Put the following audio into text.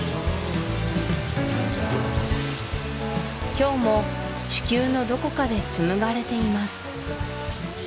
きょうも地球のどこかで紡がれています